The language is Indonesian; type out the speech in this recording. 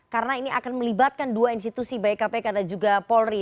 karena ini akan melibatkan dua institusi baik kpk dan juga polri